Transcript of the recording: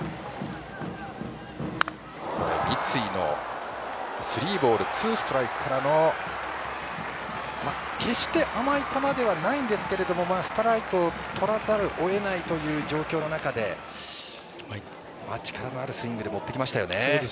三井のスリーボールツーストライクからの決して甘い球ではないんですけどもストライクをとらざるをえないという状況の中で待ち構えるスイングで持っていきましたよね。